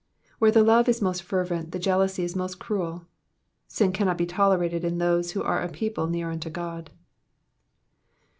Where the love is most fervent, the jealousy is most cruel. Sin can not be tolerated in those who are a people near unto God.